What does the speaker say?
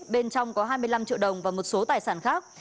bên trong có hai mươi năm triệu đồng và một số tài sản khác